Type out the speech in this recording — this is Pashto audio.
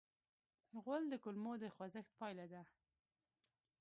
غول د کولمو د خوځښت پایله ده.